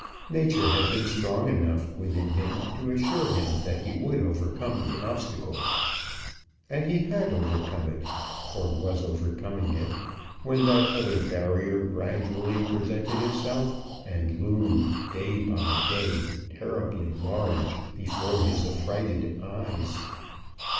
Nature had been strong enough within him to assure him that he would overcome the obstacle. And he had overcome it, or was overcoming it, when that other barrier gradually presented itself, and loomed day by day terribly large before his affrighted eyes.